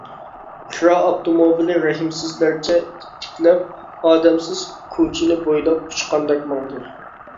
كىرا ئاپتوموبىلى رەھىمسىزلەرچە ئىتتىكلەپ، ئادەمسىز كوچىنى بويلاپ ئۇچقاندەك ماڭدى.